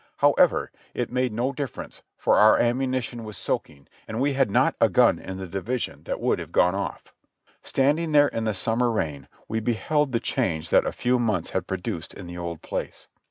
However, it made no difference, for our ammunition was soaking and we had not a gun in the division that would have gone off. Standing there in the summer rain we beheld the change that a few months had produced in the old place.